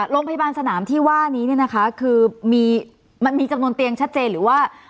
โรงพยาบาลสนามที่ว่านี้เนี่ยนะคะคือมันมีจำนวนเตียงชัดเจนหรือว่า